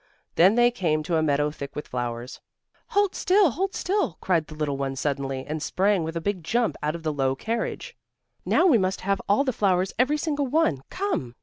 Then they came to a meadow thick with flowers. "Hold still! Hold still!" cried the little one suddenly, and sprang with a big jump out of the low carriage. "Now we must have all the flowers, every single one! Come!"